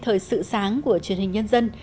thời sự sáng của truyền hình nhân dân